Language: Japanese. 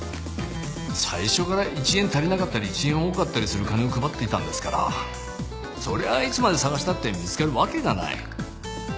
最初から１円足りなかったり１円多かったりする金を配っていたんですからそりゃあいつまで探したって見つかるわけがない。